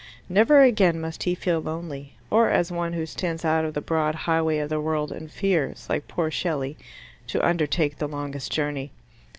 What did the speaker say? Never again must he feel lonely, or as one who stands out of the broad highway of the world and fears, like poor Shelley, to undertake the longest journey.